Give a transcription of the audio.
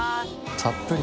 たっぷり。